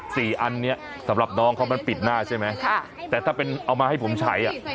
อันเนี้ยสำหรับน้องเขามันปิดหน้าใช่ไหมค่ะแต่ถ้าเป็นเอามาให้ผมใช้อ่ะ